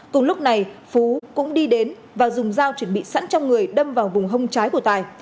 cùng lúc này phú cũng đi đến và dùng dao chuẩn bị sẵn trong người đâm vào vùng hông trái của tài